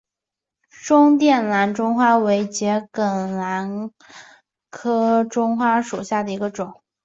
中甸蓝钟花为桔梗科蓝钟花属下的一个种。